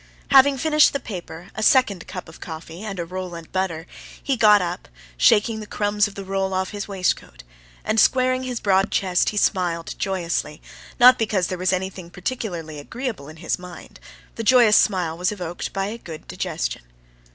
Having finished the paper, a second cup of coffee and a roll and butter, he got up, shaking the crumbs of the roll off his waistcoat; and, squaring his broad chest, he smiled joyously: not because there was anything particularly agreeable in his mind—the joyous smile was evoked by a good digestion.